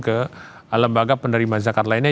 ke lembaga penerima zakat lainnya